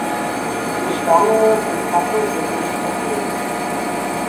Eine steinerne Umfassung wird nicht erwähnt.